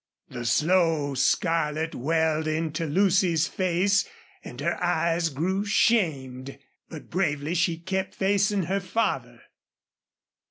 The slow scarlet welled into Lucy's face and her eyes grew shamed, but bravely she kept facing her father.